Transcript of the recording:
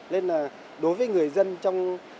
nên là đối với người dân trong